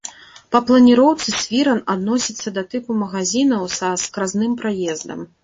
Па планіроўцы свіран адносіцца да тыпу магазінаў са скразным праездам.